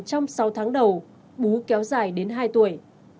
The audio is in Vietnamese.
trong sáu tháng đầu bú kéo dài đến hai tuổi